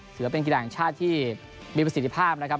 ศิลปินกีฬาแห่งชาติที่มีประสิทธิภาพนะครับ